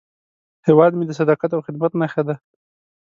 هیواد مې د صداقت او خدمت نښه ده